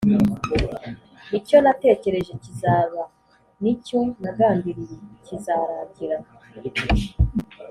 «Icyo natekereje kizaba, n’icyo nagambiriye kizarangira.